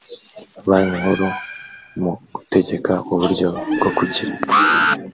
banki nkuru mu gutegeka uburyo bwo kugira